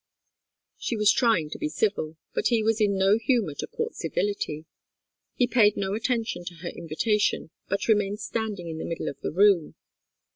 She was trying to be civil, but he was in no humour to court civility. He paid no attention to her invitation, but remained standing in the middle of the room.